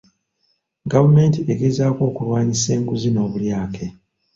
Gavumenti egezaako okulwanyisa enguzi n'obulyake..